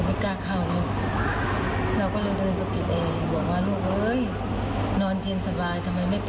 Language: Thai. มันเปลืองไฟมันสว่างเลยไม่ไหว